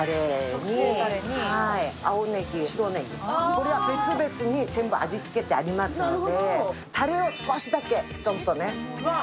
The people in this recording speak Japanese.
これは別々に全部味付けてありますのでたれを少しだけ、ちょっとね。